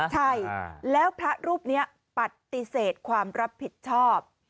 ใช่แล้วพระรูปนี้ปฏิเสธความรับผิดชอบ